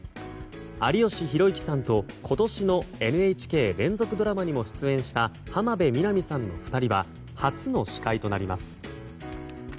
有吉弘行さんと今年のＮＨＫ連続ドラマにも出演した浜辺美波さんの２人は初の司会となります。